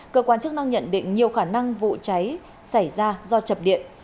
cơ quan chức năng nhận định nhiều khả năng vụ cháy xảy ra do chập điện